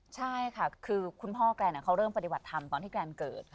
ใช่ค่ะคือคุณพ่อแกนเขาเริ่มปฏิบัติธรรมตอนที่แกรนเกิด